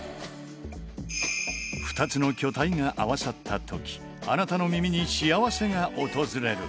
２つの巨体が合わさったときあなたの耳に幸せが訪れる。